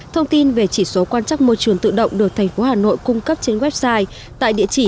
thông tin về chỉ số quan trắc môi trường tự động được thành phố hà nội cung cấp trên website tại địa chỉ